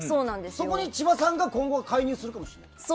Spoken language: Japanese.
そこに千葉さんが今後は介入するかもしれない？